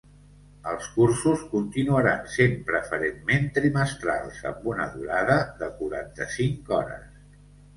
Els cursos continuaran sent preferentment trimestrals amb una durada de quaranta-cinc hores.